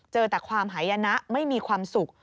เจอแต่ความหายนะไม่มีความสุข